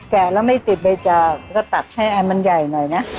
แกะแล้วไม่ติดใบจากแล้วก็ตัดให้อันมันใหญ่หน่อยน่ะ